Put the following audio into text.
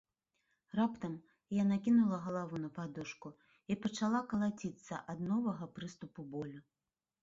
Раптам яна кінула галаву на падушку і пачала калаціцца ад новага прыступу болю.